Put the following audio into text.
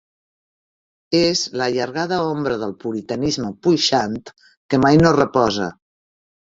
És l'allargada ombra del puritanisme puixant que mai no reposa.